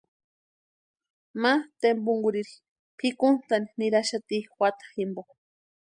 Ma tempunkurhiri pʼikuntʼani niraxati juata jimpo.